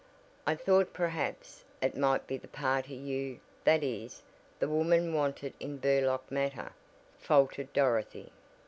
"I thought perhaps it might be the party you that is, the woman wanted in the Burlock matter," faltered Dorothy.